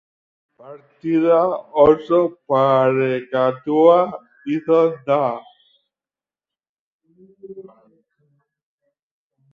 Partida oso parekatua izan da.